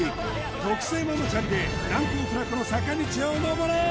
特製ママチャリで難攻不落の坂道を登れ！